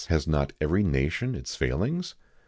has not every nation its failings?